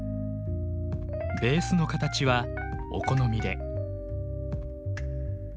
ベースの形はお好みで。